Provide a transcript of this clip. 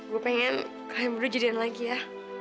gue pengen kalian berdua jadian lagi ya